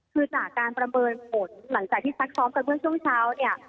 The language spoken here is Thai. คือจากการประเมินผลหลังจากที่ซักซ้อมกันเมื่อช่วงเช้าเนี่ย